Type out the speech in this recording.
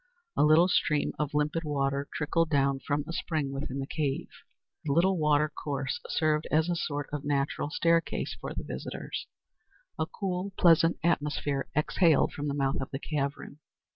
A little stream of limpid water trickled down from a spring within the cave. The little watercourse served as a sort of natural staircase for the visitors. A cool, pleasant atmosphere exhaled from the mouth of the cavern.